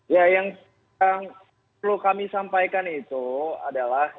ya yang perlu kami sampaikan itu adalah